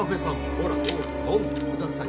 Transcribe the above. ほらどうぞ飲んでください